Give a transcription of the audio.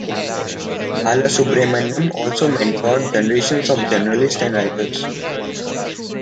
Balasubramanian also mentored generations of journalists and writers.